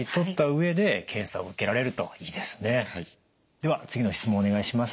では次の質問お願いします。